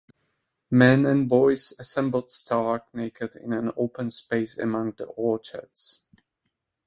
Men and boys assembled stark naked in an open space among the orchards.